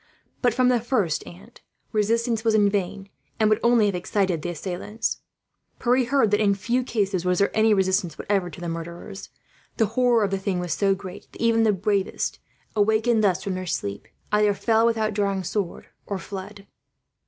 But from the first, aunt, resistance was in vain, and would only have excited the assailants. Pierre heard that in few cases was there any resistance, whatever, to the murderers. The horror of the thing was so great that even the bravest, awakened thus from their sleep, either fell without drawing sword, or fled."